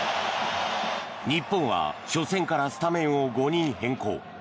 日本は初戦からスタメンを５人変更。